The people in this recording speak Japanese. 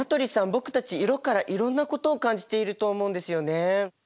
僕たち色からいろんなことを感じていると思うんですよね。